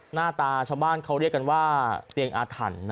หน้าตาชาวบ้านเขาเรียกกันว่าเตียงอาถรรพ์